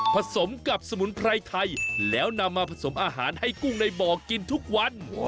ผสมกับสมุนไพรไทยแล้วนำมาผสมอาหารให้กุ้งในบ่อกินทุกวัน